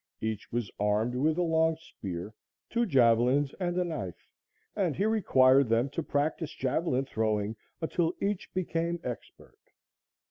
Each was armed with a long spear, two javelins and a knife, and he required them to practice javelin throwing until each became expert.